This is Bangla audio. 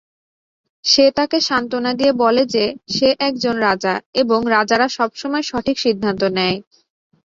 সে তাকে সান্ত্বনা দিয়ে বলে যে সে একজন রাজা এবং রাজারা সবসময় সঠিক সিদ্ধান্ত নেয়।